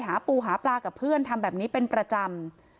หาปูหาปลากับเพื่อนทำแบบนี้เป็นประจำ